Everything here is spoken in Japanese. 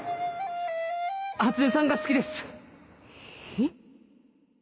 初音さんが好きですへっ？